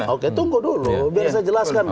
oke tunggu dulu biar saya jelaskan